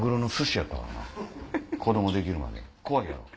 子供できるまで怖いやろ？